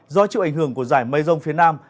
do chịu ảnh hưởng của giải mây rông phía nam